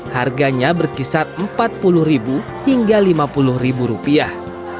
harganya berkisar empat puluh hingga lima puluh rupiah